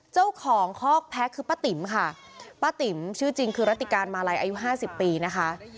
คอกแพ้คือป้าติ๋มค่ะป้าติ๋มชื่อจริงคือรัติการมาลัยอายุห้าสิบปีนะคะ